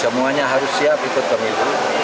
semuanya harus siap ikut pemilu